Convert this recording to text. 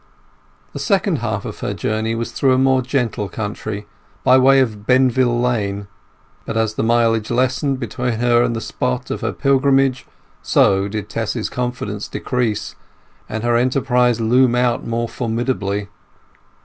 The second half of her journey was through a more gentle country, by way of Benvill Lane. But as the mileage lessened between her and the spot of her pilgrimage, so did Tess's confidence decrease, and her enterprise loom out more formidably.